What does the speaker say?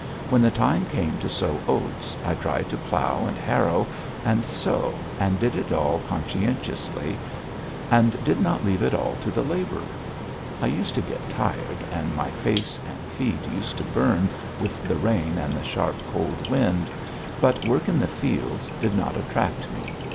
When the time came to sow oats, I tried to plough and harrow, and sow and did it all conscientiously, and did not leave it all to the labourer. I used to get tired, and my face and feet used to burn with the rain and the sharp cold wind. But work in the fields did not attract me.